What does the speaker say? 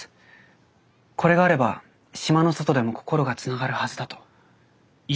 これがあれば島の外でも心がつながるはずだと。